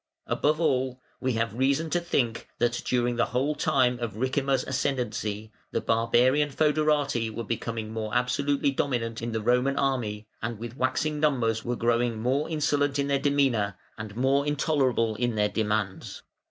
Above all, we have reason to think that, during the whole time of Ricimer's ascendancy, the barbarian fœderati were becoming more absolutely dominant in the Roman army, and with waxing numbers were growing more insolent in their demeanour, and more intolerable In their demands.